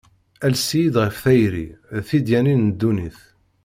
Ales-iyi-d ɣef tayri, d tedyanin n dunnit.